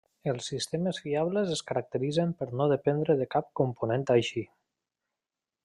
Els sistemes fiables es caracteritzen per no dependre de cap component així.